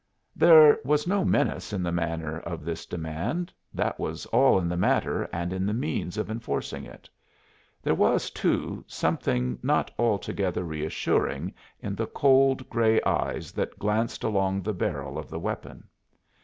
There was no menace in the manner of this demand; that was all in the matter and in the means of enforcing it. There was, too, something not altogether reassuring in the cold gray eyes that glanced along the barrel of the weapon.